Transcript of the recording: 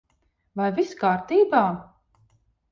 Vai viss kārtībā?